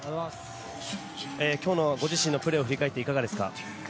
今日のご自身のプレーを振り返って、いかがですか。